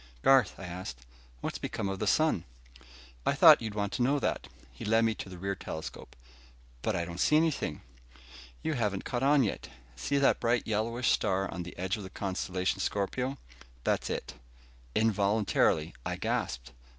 "Garth," I asked, "what's become of the sun?" "I thought you'd want to know that." He led me to the rear telescope. "But I don't see anything." "You haven't caught on yet. See that bright yellowish star on the edge of the constellation Scorpio. That's it." Involuntarily, I gasped.